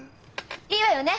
いいわよね？